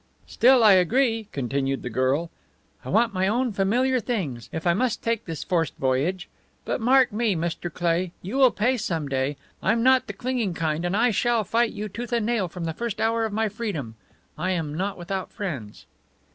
"Still I agree," continued the girl. "I want my own familiar things if I must take this forced voyage. But mark me, Mr. Cleigh, you will pay some day! I'm not the clinging kind, and I shall fight you tooth and nail from the first hour of my freedom. I'm not without friends."